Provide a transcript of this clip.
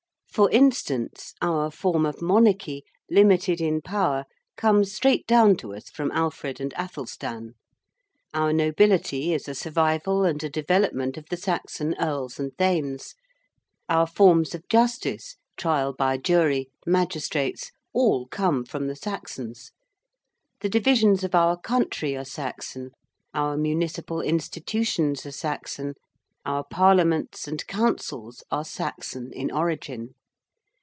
For instance, our form of monarchy, limited in power, comes straight down to us from Alfred and Athelstan. Our nobility is a survival and a development of the Saxon earls and thanes; our forms of justice, trial by jury, magistrates all come from the Saxons; the divisions of our country are Saxon, our municipal institutions are Saxon, our parliaments and councils are Saxon in origin.